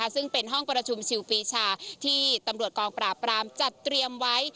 ซึ่งเป็นห้องประชุมชิวปีชาที่ตำรวจกองปราบรามจัดเตรียมไว้